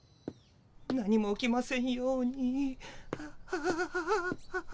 何も起きませんように。